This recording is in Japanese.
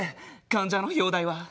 患者の容体は？